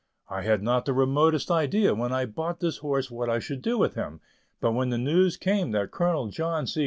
I had not the remotest idea, when I bought this horse, what I should do with him; but when the news came that Colonel John C.